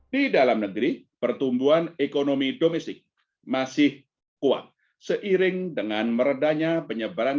di dalam negeri pertumbuhan ekonomi domestik masih kuat seiring dengan meredanya penyebaran